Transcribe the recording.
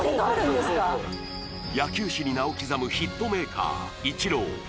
野球史に名を刻むヒットメーカーイチロー